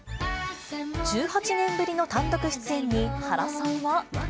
１８年ぶりの単独出演に原さんは。